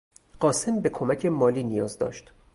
قاسم به کمک مالی نیاز داشت.